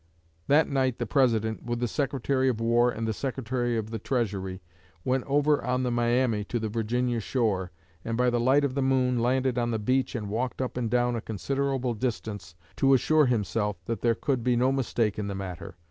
That night the President, with the Secretary of War and the Secretary of the Treasury, went over on the 'Miami' to the Virginia shore, and by the light of the moon landed on the beach and walked up and down a considerable distance to assure himself that there could be no mistake in the matter.